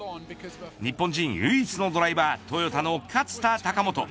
日本人唯一のドライバートヨタの勝田貴元。